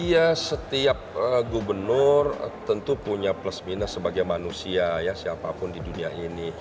iya setiap gubernur tentu punya plus minus sebagai manusia ya siapapun di dunia ini